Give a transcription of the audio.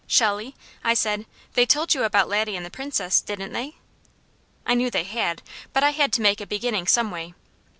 "Shelley," I said, "they told you about Laddie and the Princess, didn't they?" I knew they had, but I had to make a beginning some way.